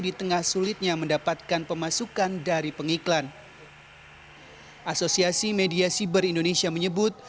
di tengah sulitnya mendapatkan pemasukan dari pengiklan asosiasi media siber indonesia menyebut